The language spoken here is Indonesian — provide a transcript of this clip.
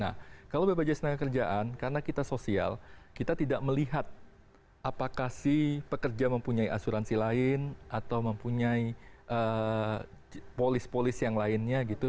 nah kalau bpjs tenaga kerjaan karena kita sosial kita tidak melihat apakah si pekerja mempunyai asuransi lain atau mempunyai polis polis yang lainnya gitu